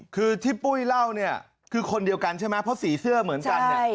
คือที่ปุ้ยเล่าเนี่ยคือคนเดียวกันใช่ไหมเพราะสีเสื้อเหมือนกันเนี่ย